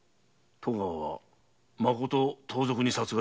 戸川はまこと盗賊に殺害されたのか？